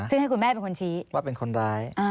ซึ่งให้คุณแม่เป็นคนชี้ว่าเป็นคนร้าย